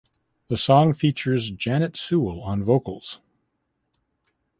The song features Janette Sewell on vocals.